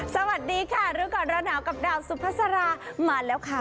สวัสดีค่ะรู้ก่อนร้อนหนาวกับดาวสุภาษามาแล้วค่ะ